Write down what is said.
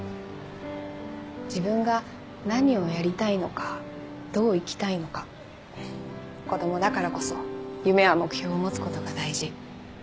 自分が何をやりたいのかどう生きたいのか子供だからこそ夢や目標を持つことが大事。